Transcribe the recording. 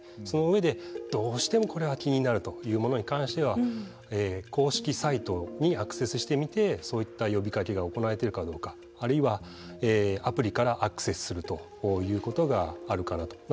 その上で、どうしてもこれは気になるというものに関しては公式サイトにアクセスしてみてそういった呼びかけが行われているかどうかあるいはアプリからアクセスするということがあるかなと。